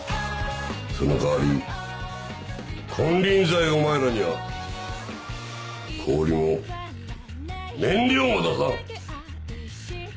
その代わり金輪際お前らには氷も燃料も出さん。